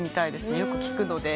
よく聴くので。